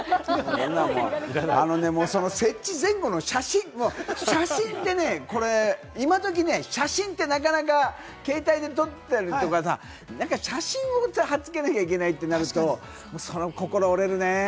あのね、その設置前後の写真、写真ってね、今どき写真ってなかなか携帯で撮ってるとかさ、写真を貼っつけなきゃいけないってなると、その心、折れるね。